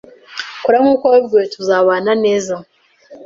Kora nkuko wabibwiwe tuzabana neza.